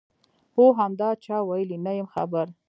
هو همدا، دا چا ویلي؟ نه یم خبر.